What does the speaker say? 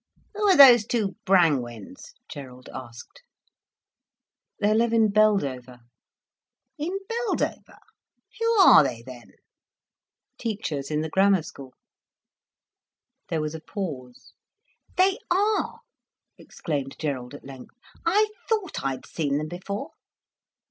"Who are those two Brangwens?" Gerald asked. "They live in Beldover." "In Beldover! Who are they then?" "Teachers in the Grammar School." There was a pause. "They are!" exclaimed Gerald at length. "I thought I had seen them before."